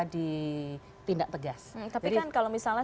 ditindak tegas tapi kan kalau misalnya